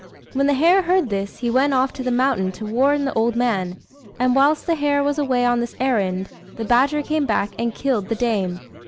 When the hare heard this, he went off to the mountain to warn the old man; and whilst the hare was away on this errand, the badger came back, and killed the dame.